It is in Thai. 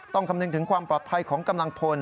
คำนึงถึงความปลอดภัยของกำลังพล